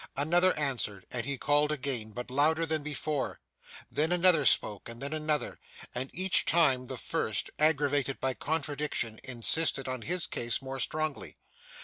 Another answered, and he called again, but louder than before; then another spoke and then another; and each time the first, aggravated by contradiction, insisted on his case more strongly.